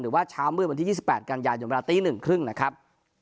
เช้ามืดวันที่๒๘กันยายนเวลาตี๑๓๐นะครับ